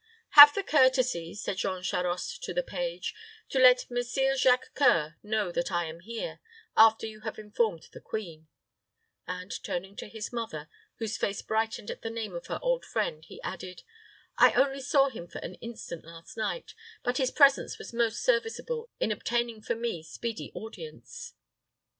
"Have the courtesy," said Jean Charost to the page, "to let Messire Jacques C[oe]ur know that I am here, after you have informed the queen;" and, turning to his mother, whose face brightened at the name of her old friend, he added, "I only saw him for an instant last night; but his presence was most serviceable in obtaining for me speedy audience."